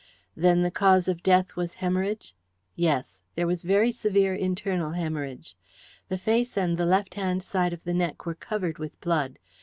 "Then the cause of death was hæmorrhage?" "Yes. There was very severe internal hæmorrhage. The face and the left hand side of the neck were covered with blood.